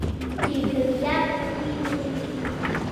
چې ترياک پکښې وکري.